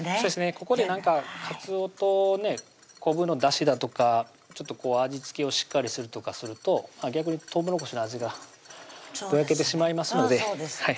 ここで何かかつおとね昆布のだしだとかちょっと味付けをしっかりするとかすると逆にとうもろこしの味がぼやけてしまいますのでそらそうです